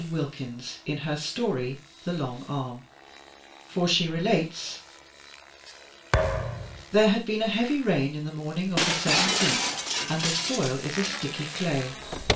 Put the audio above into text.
Wilkins in her story "The Long Arm," for she relates "There had been heavy rain in the morning of the 17th, and the soil is a sticky clay.